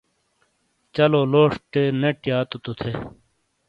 چلو لوشٹے نیٹ یاتو تو تھے۔